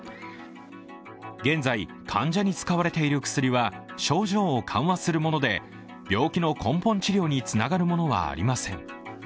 現在、患者に使われている薬は症状を緩和するもので病気の根本治療につながるものはありません。